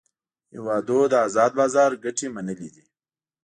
هیوادونو د آزاد بازار ګټې منلې دي